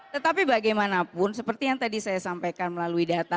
tetapi bagaimanapun seperti yang tadi saya sampaikan melalui data